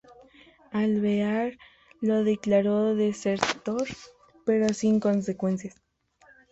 Alvear lo declaró desertor, pero sin consecuencias.